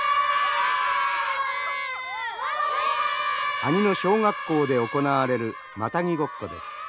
阿仁の小学校で行われるマタギごっこです。